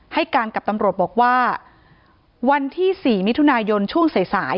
ให้การกับตำรวจบอกว่าวันที่๔มิถุนายนช่วงสายสาย